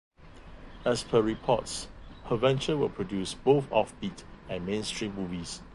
As per reports, her venture will produce both off-beat and mainstream movies.